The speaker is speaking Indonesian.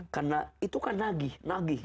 karena itu kan nagih